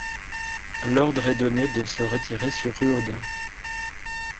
L'ordre est donné de se retirer sur Ruaudin.